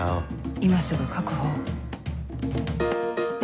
今すぐ確保を